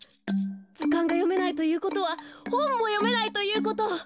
ずかんがよめないということはほんもよめないということ。